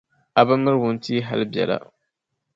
A bɛ miri wuntia hali bela.